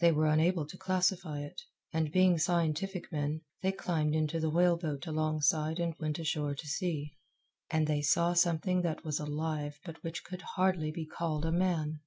They were unable to classify it, and, being scientific men, they climbed into the whale boat alongside and went ashore to see. And they saw something that was alive but which could hardly be called a man.